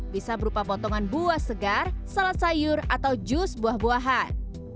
bisa berupa potongan buah segar salad sayur atau jus buah buahan